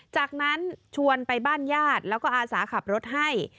จากนั้นชวนไปบ้านญาติแล้วก็อาสาขับรถให้